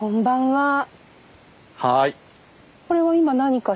はい。